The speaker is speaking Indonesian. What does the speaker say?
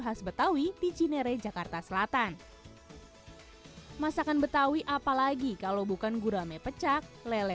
khas betawi di cinere jakarta selatan masakan betawi apalagi kalau bukan gurame pecak lele